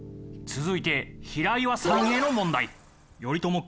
続いて平岩さんへの問題。